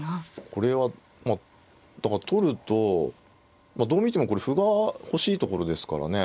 これはまあだから取るとどう見てもこれ歩が欲しいところですからね。